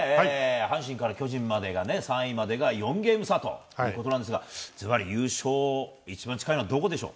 阪神から巨人まで、３位までが４ゲーム差ということですがずばり、優勝に一番近いのはどこでしょう？